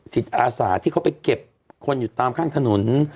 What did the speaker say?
จิตอาสาที่เขาไปเก็บคนอยู่ตามข้างถนน